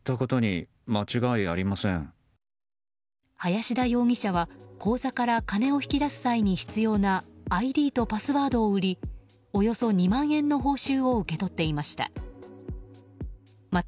林田容疑者は口座から金を引き出す際に必要なＩＤとパスワードを売りおよそ２万円の報酬を受け取っていました。